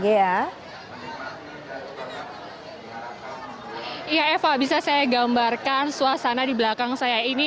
iya eva bisa saya gambarkan suasana di belakang saya ini